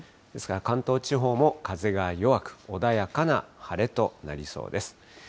ですから、関東地方も風が弱く、穏やかな晴れとなりそうです。